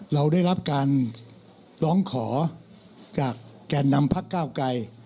เราได้รับการร้องขอจากแก่นนำพักเก้าไกร